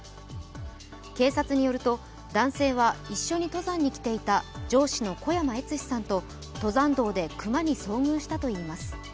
警察によると、男性は一緒に登山に来ていた上司の小山悦志さんと登山道で熊に遭遇したといいます。